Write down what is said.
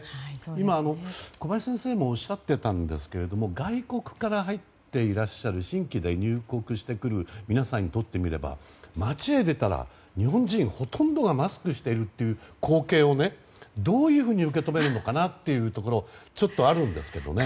今、小林先生もおっしゃっていたんですが外国から入っていらっしゃる新規で入国してくる皆さんにとってみれば街へ出たら日本人、ほとんどがマスクをしているという光景をどういうふうに受け止めるのかなというところはちょっとあるんですけどね。